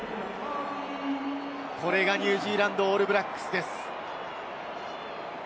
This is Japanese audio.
これがニュージーランド・オールブラックスです。